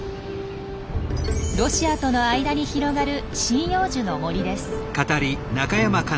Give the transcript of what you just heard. ロシアとの間に広がる針葉樹の森です。